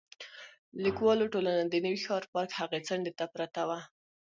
لیکوالو ټولنه د نوي ښار پارک هغې څنډې ته پرته وه.